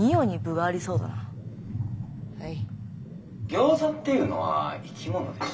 「ギョーザっていうのは生き物でして」。